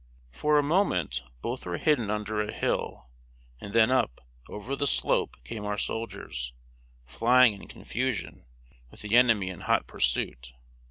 For a moment both were hidden under a hill; and then up, over the slope came our soldiers, flying in confusion, with the enemy in hot pursuit.